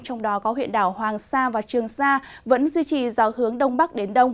trong đó có huyện đảo hoàng sa và trường sa vẫn duy trì gió hướng đông bắc đến đông